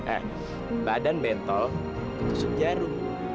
eh badan bento tersuk jarum